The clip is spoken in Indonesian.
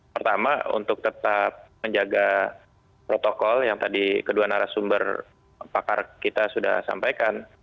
pertama untuk tetap menjaga protokol yang tadi kedua narasumber pakar kita sudah sampaikan